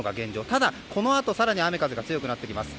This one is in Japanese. ただ、このあと更に雨が強くなってきます。